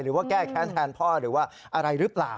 ว่าแก้แค้นแทนพ่อหรือว่าอะไรหรือเปล่า